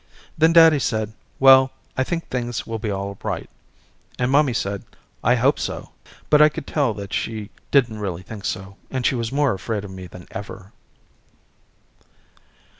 Then daddy said well, I think things will be all right, and mommy said I hope so, but I could tell that she didn't really think so, and she was more afraid of me than ever.